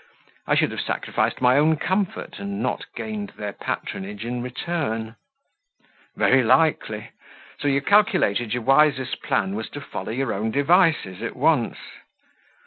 I should have sacrificed my own comfort and not have gained their patronage in return." "Very likely so you calculated your wisest plan was to follow your own devices at once?"